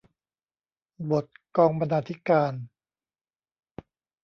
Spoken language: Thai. บทกองบรรณาธิการ